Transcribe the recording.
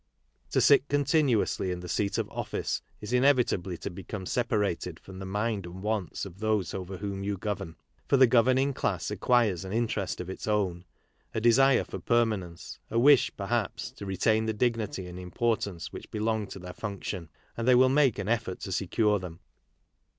To sit continuously in the seat of office is inevitably to become separated from the mind and wants of those over whom you govern. For the governing class acquires an interest of its own, a desire for permanence, a wish, perhaps, to retain the dignity and importance which belong to their function ; and they will make an effort to secure them.